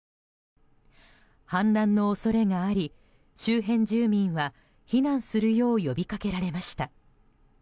氾濫の恐れがあり、周辺住民は避難するよう呼びかけられました。